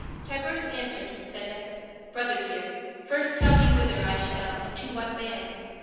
Tiburce answer'd, and saide, "Brother dear, First tell me whither I shall, and to what man?"